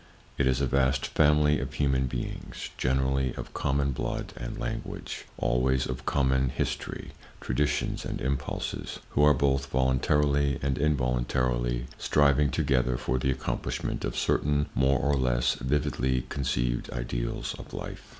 It is a vast family of human beings, generally of common blood and language, always of common history, traditions and impulses, who are both voluntarily and involuntarily striving together for the accomplishment of certain more or less vividly conceived ideals of life.